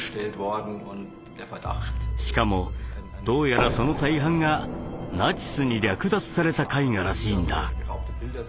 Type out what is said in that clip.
しかもどうやらその大半がナチスに略奪された絵画らしいんだ。